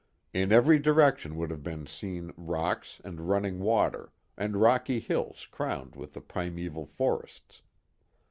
In every direction would have been seen rocks and running water, and rocky hills crowned with the primeval forests.